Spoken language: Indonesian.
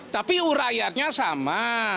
tapi uraiannya sama